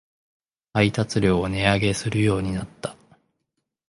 配達料を値上げするようになった